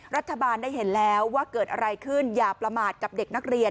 รัฐบาลได้เห็นแล้วว่าเกิดอะไรขึ้นอย่าประมาทกับเด็กนักเรียน